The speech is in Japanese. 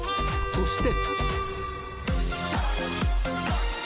そして。